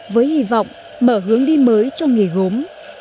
với hy vọng mở hướng đi mới cho nghề gốm